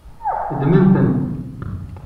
Ddmemt-tent.